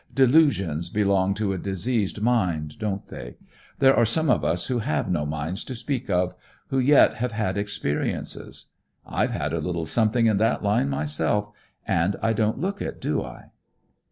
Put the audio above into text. Delusions belong to a diseased mind, don't they? There are some of us who have no minds to speak of, who yet have had experiences. I've had a little something in that line myself and I don't look it, do I?"